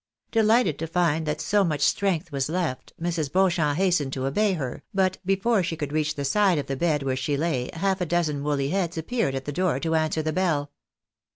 Delighted to find that so much strength was left, Mrs. Beau champ hastened to obey her, but before she could reach the side of the bed where she lay, half a dozen woolly heads appeared at the door to answer the bell.